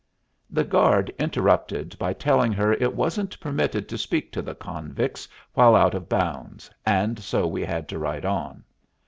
The guard interrupted by telling her it wasn't permitted to speak to the convicts while out of bounds, and so we had to ride on.